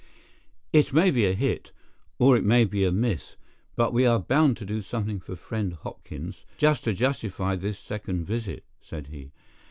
"It may be a hit, or it may be a miss, but we are bound to do something for friend Hopkins, just to justify this second visit," said he.